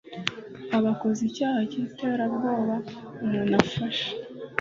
Aba akoze icyaha cy iterabwoba umuntu ufashe